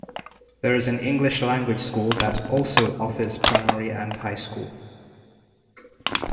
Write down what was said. There is an English language school that also offers primary and high school.